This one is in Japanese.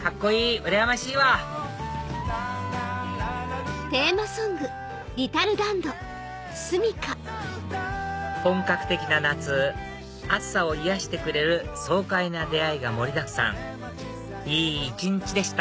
うらやましいわ本格的な夏暑さを癒やしてくれる爽快な出会いが盛りだくさんいい一日でした